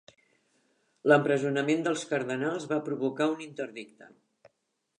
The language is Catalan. L'empresonament dels cardenals va provocar un interdicte.